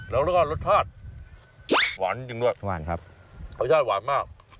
แล้วก็รสชาติหวานจริงด้วยประมาณครับรสชาติหวานมาก